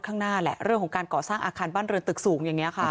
ข้างหน้าแหละเรื่องของการก่อสร้างอาคารบ้านเรือนตึกสูงอย่างนี้ค่ะ